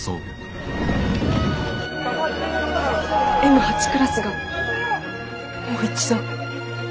Ｍ８クラスがもう一度。